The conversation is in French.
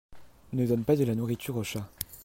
ne donne pas de la nourriture au chat.